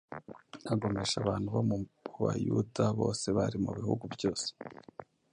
agomesha abantu bo mu Bayuda bose bari mu bihugu byose;